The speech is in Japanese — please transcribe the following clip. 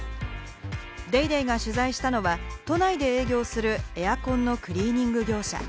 『ＤａｙＤａｙ．』が取材したのは、都内で営業をするエアコンのクリーニング業者。